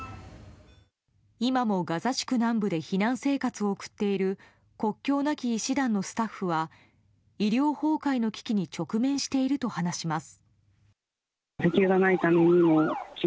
今もガザ地区南部で避難生活を送っている国境なき医師団のスタッフは医療崩壊の危機に直面していると話します。